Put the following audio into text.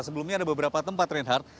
sebelumnya ada beberapa tempat